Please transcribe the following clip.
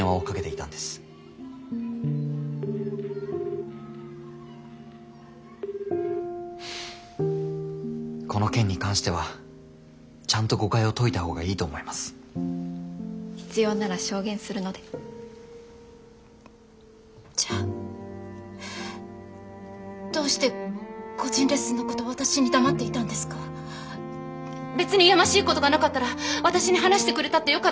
別にやましいことがなかったら私に話してくれたってよかったでしょう？